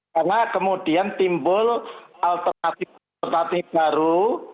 karena kemudian timbul alternatif alternatif baru